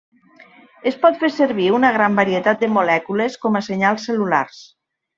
Es pot fer servir una gran varietat de molècules com a senyals cel·lulars.